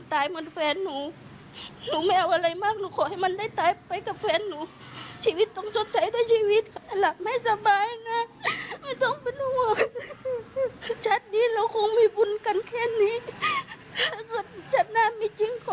ถ้าเธอชนะมีจริงขอให้เกิดมารักกันอีก